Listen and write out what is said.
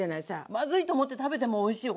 まずいと思って食べてもおいしいよ